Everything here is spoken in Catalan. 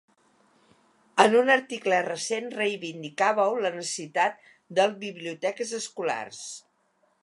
En un article recent reivindicàveu la necessitat del biblioteques escolars.